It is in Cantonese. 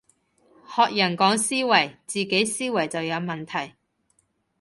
學人講思維，自己思維就有問題